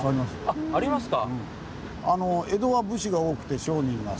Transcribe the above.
あっありますか。